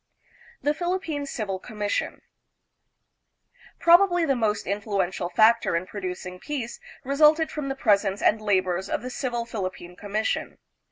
The Philippine Civil Commission. Probably the most influential factor in producing peace resulted from the presence and labors of the Civil Philippine Commission.